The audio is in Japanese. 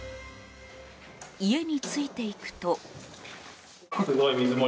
家についていくと。